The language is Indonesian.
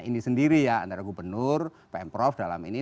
ini sendiri ya antara gubernur pm prof dalam ini